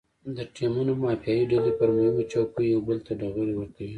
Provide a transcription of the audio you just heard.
د ټیمونو مافیایي ډلې پر مهمو چوکیو یو بل ته ډغرې ورکوي.